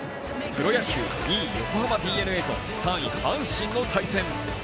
プロ野球２位ＤｅＮＡと３位阪神の対戦。